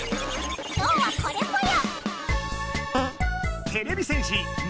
今日はこれぽよ。